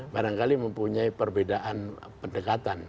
barangkali mempunyai perbedaan pendekatan